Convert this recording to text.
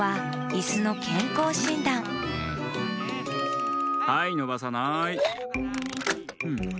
だんはいのばさない。